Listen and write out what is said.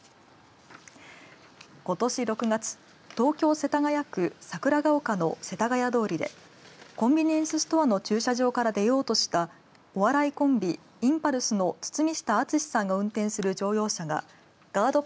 ことし６月東京、世田谷区桜丘の世田谷通りでコンビニエンスストアの駐車場から出ようとしたお笑いコンビ、インパルスの堤下敦さんが運転する乗用車がガード